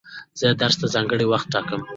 زه درس ته ځانګړی وخت ټاکم.